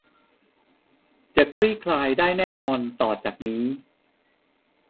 จะคลี่คลายได้แน่นอนต่อจากนี้